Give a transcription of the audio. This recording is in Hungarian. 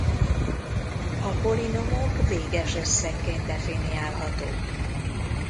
A polinomok véges összegként definiálhatók.